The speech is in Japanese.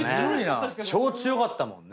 超強かったもんね。